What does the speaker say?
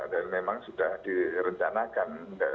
dan memang sudah direncanakan